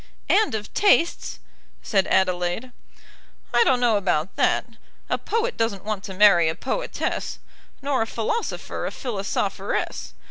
"And of tastes," said Adelaide. "I don't know about that. A poet doesn't want to marry a poetess, nor a philosopher a philosopheress.